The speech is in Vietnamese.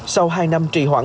sau hai năm trì hoãn